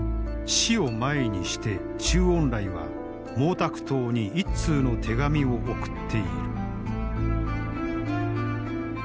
死を前にして周恩来は毛沢東に一通の手紙を送っている。